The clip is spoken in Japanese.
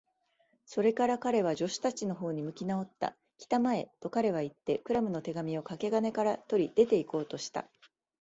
それから彼は、助手たちのほうに向きなおった。「きたまえ！」と、彼はいって、クラムの手紙をかけ金から取り、出ていこうとした。